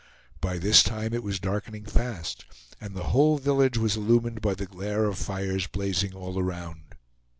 By this time it was darkening fast, and the whole village was illumined by the glare of fires blazing all around.